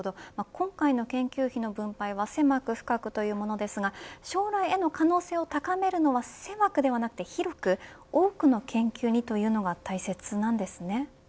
今回の研究費の分配は狭く深くというものですが将来の可能性を高めるのは狭くではなく、広く多くの研究にというのが大切なんですね。